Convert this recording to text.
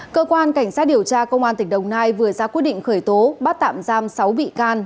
cơ quan cảnh sát điều tra công an tỉnh đồng nai vừa ra quyết định khởi tố bắt tạm giam sáu bị can